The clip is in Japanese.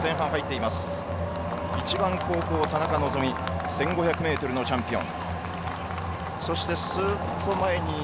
いちばん後方は田中希実１５００ｍのチャンピオン。